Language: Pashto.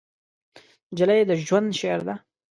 نجلۍ د ژوند شعر ده.